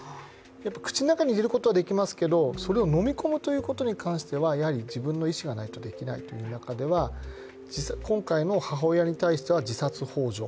口の中に入れることはできますけど、それを飲み込むことに関しましては、やはり自分の意思がないとできないという中では今回の母親に対しては自殺ほう助。